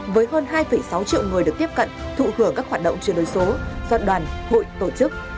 với hơn hai sáu triệu người được tiếp cận thụ hưởng các hoạt động chuyển đổi số do đoàn hội tổ chức